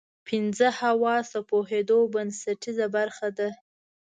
پنځه حواس د پوهېدو بنسټیزه برخه ده.